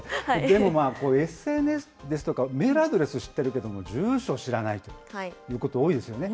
でもね、ＳＮＳですとかメールアドレスを知っているけども、住所知らないということ、多いですよね。